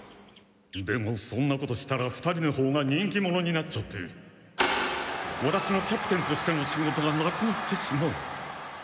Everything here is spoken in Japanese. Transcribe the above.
でもそんなことしたら２人のほうが人気者になっちゃってワタシのキャプテンとしての仕事がなくなってしまう。